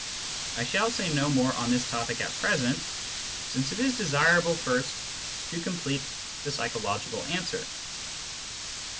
I shall say no more on this topic at present, since it is desirable first to complete the psychological answer.